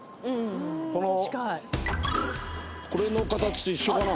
これの形と一緒かな？